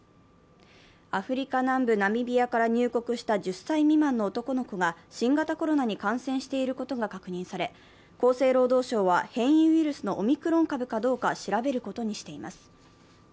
アフリカ南部ナビミアから入国した１０歳未満の男の子が新型コロナに感染していることが確認され、厚生労働省は変異ウイルスのオミクロン株かどうか調べることにしています。